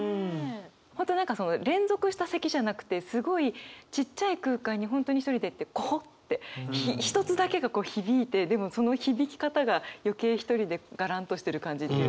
本当何か連続した咳じゃなくてすごいちっちゃい空間に本当に一人でってコホッて一つだけがこう響いてでもその響き方が余計一人でガランとしてる感じというか。